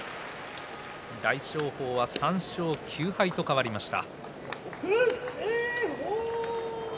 大翔鵬、３勝９敗に変わりました。